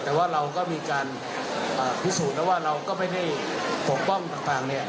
แต่ว่าเราก็มีการพิสูจน์แล้วว่าเราก็ไม่ได้ปกป้องต่างเนี่ย